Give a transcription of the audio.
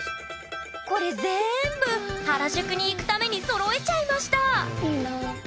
これぜんぶ原宿に行くためにそろえちゃいましたいいな。